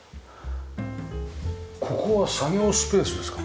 ここは作業スペースですか？